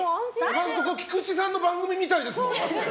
今のところ菊地さんの番組みたいですもん。